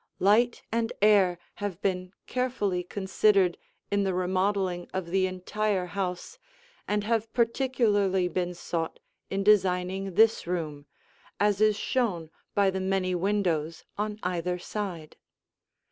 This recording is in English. Light and air have been carefully considered in the remodeling of the entire house and have particularly been sought in designing this room, as is shown by the many windows on either side.